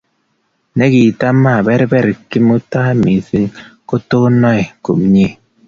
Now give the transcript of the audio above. Nekitamaberber Kimutai mising, kitanoe komye